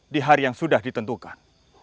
di hari yang sudah ditentukan